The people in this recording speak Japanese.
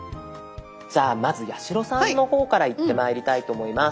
じゃあまず八代さんの方からいってまいりたいと思います。